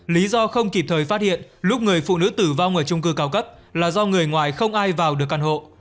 lý do không kịp thời phát hiện lúc người phụ nữ tử vong ở trung cư cao cấp là do người ngoài không ai vào được căn hộ